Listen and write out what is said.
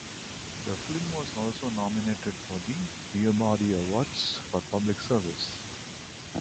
The film was also nominated for the Peabody Awards for Public Service.